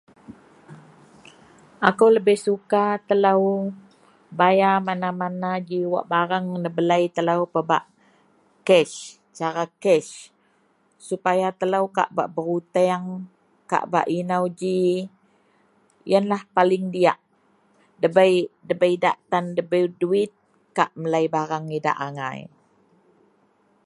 Akou lebeh suka telou bayar mana-mana ji wak bareng nebelei telou pebak kes, cara kes supaya telou kak bak beruteang, kak bak inou ji. Yenlah paling diyak, ndabei, ndabei idak tan ndabei duwit kak melei bareng idak angai.